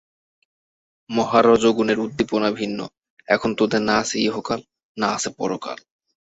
মহা রজোগুণের উদ্দীপনা ভিন্ন এখন তোদের না আছে ইহকাল, না আছে পরকাল।